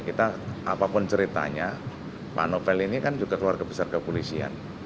kita apapun ceritanya pak novel ini kan juga keluarga besar kepolisian